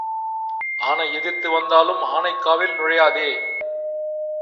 ஆனை எதிர்த்து வந்தாலும் ஆனைக்காவில் நுழையாதே.